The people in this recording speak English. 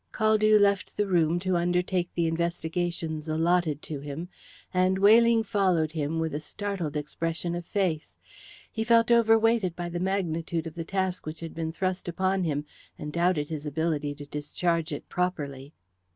Caldew left the room to undertake the investigations allotted to him, and Weyling followed him with a startled expression of face. He felt overweighted by the magnitude of the task which had been thrust upon him, and doubted his ability to discharge it properly.